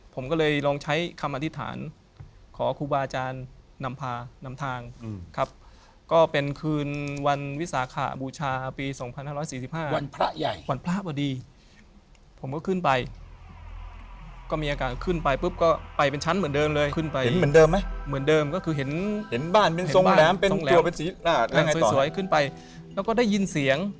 ผมจะเขาประสบบัติเหตุก็คือบัติเหตุมอสัย